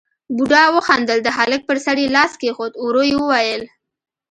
بوډا وخندل، د هلک پر سر يې لاس کېښود، ورو يې وويل: